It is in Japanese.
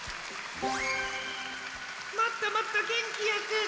もっともっとげんきよく！